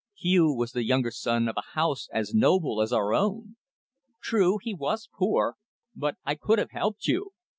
Hugh was the younger son of a house as noble as our own. True he was poor, but I could have helped you."